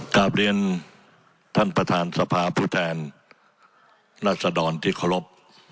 กลับเรียนท่านประธานสภาพุทธแทนนัสดรที่ขอรบ